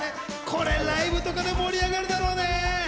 これ、ライブとかで盛り上がるだろうね。